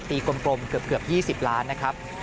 กลมเกือบ๒๐ล้านนะครับ